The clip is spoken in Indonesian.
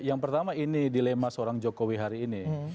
yang pertama ini dilema seorang jokowi hari ini